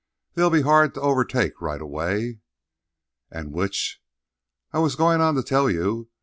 They'll be hard to overtake right away." "And which—" "I was goin' on to tell you.